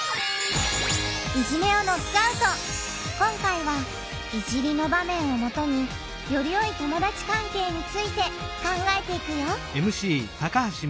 今回は「いじり」の場面をもとによりよい友だち関係について考えていくよ！